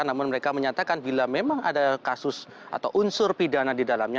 namun mereka menyatakan bila memang ada kasus atau unsur pidana di dalamnya